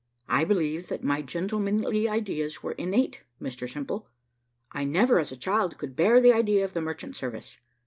I believe that my gentlemanly ideas were innate, Mr Simple; I never, as a child, could bear the idea of the merchant service.